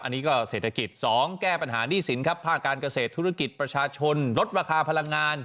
อันนี้ก็เศรษฐกิจ๒แก้ปัญหาหนี้สินครับภาคการเกษตรธุรกิจประชาชนลดราคาพลังงาน